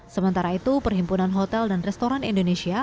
sementara itu perhimpunan hotel dan restoran indonesia